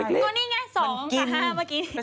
ก็นี่ไงสองลุงสามห้าเมื่อกี้